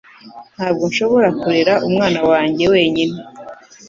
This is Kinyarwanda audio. Ntabwo nshobora kurera umwana wanjye wenyine